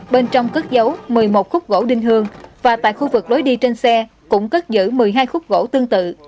bên trong cất giấu một mươi một khúc gỗ đinh hương và tại khu vực lối đi trên xe cũng cất giữ một mươi hai khúc gỗ tương tự